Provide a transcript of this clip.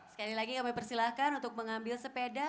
sekali lagi kami persilahkan untuk mengambil sepeda